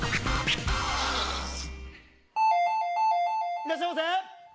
いらっしゃいませ！